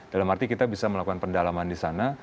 dalam arti kita bisa melakukan pendalaman di sana